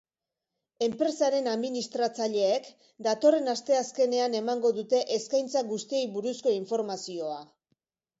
Enpresaren administratzaileek datorren asteazkenean emango dute eskaintza guztiei buruzko informazioa.